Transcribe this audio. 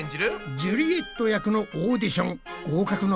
ジュリエット役のオーディション合格のポイントは？